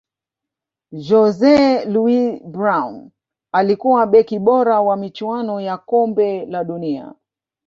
jose luis brown alikuwa beki bora wa michuano ya kombe la dunia